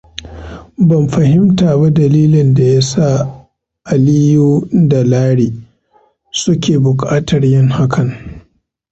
Ban fahimta ba dalilin da ya sa Aliyu da Lare suke buƙatar yin hakan.